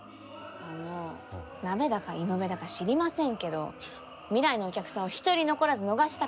あのナベだかイノベだか知りませんけど未来のお客さんを一人残らず逃したくない。